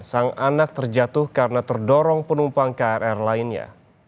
sang anak terjatuh karena terdorong penumpang kr lainnya